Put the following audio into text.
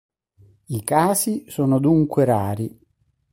I casi sono dunque rari.